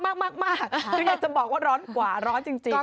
คืออยากจะบอกว่าร้อนกว่าร้อนจริง